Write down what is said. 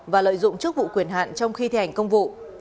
và lợi dụng chức vụ quyền hạn trong khi thi hành công vụ